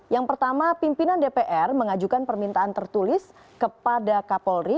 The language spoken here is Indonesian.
yang pertama pimpinan dpr mengajukan permintaan tertulis kepada kapolri